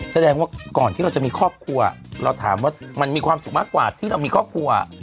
แสดงว่าก่อนที่เราจะมีครอบครัวเราถามว่ามันมีความสุขมากกว่าที่เรามีครอบครัว